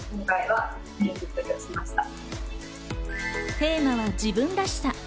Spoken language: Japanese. テーマは自分らしさ。